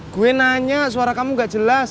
gue nanya suara kamu gak jelas